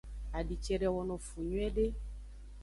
Adi cede wono fu nyuiede.